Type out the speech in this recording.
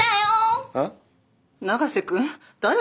永瀬君誰？